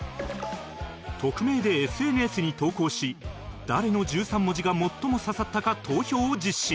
匿名で ＳＮＳ に投稿し誰の１３文字が最も刺さったか投票を実施